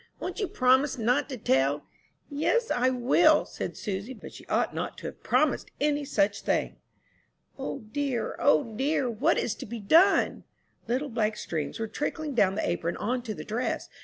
Won't you promise not to tell?" "Yes, I will," said Susy; but she ought not to have promised any such thing. "O, dear, O dear! What is to be done?" Little black streams were trickling down the apron on to the dress.